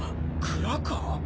蔵か？